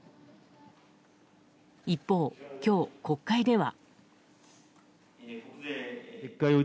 一方、今日国会では。